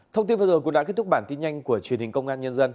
thông tin vừa rồi cũng đã kết thúc bản tin nhanh của truyền hình công an nhân dân